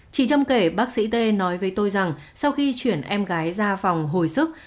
chị trâm kể bác sĩ t nói với tôi rằng sau khi chuyển em gái ra phòng hồi sức